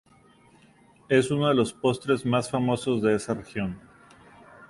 Es uno de los postres más famosos de esa región.